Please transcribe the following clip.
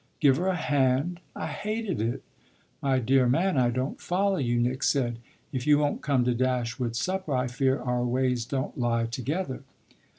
"Give her a hand? I hated it." "My dear man, I don't follow you," Nick said. "If you won't come to Dashwood's supper I fear our ways don't lie together."